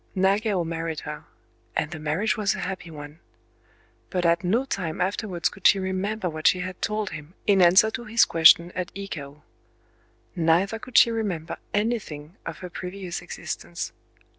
Nagao married her; and the marriage was a happy one. But at no time afterwards could she remember what she had told him in answer to his question at Ikao: neither could she remember anything of her previous existence.